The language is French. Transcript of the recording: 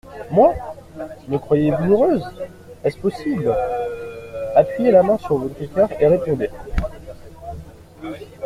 Moi ? Me croyez-vous heureuse ? est-ce possible ? Appuyez la main sur votre coeur, et répondez.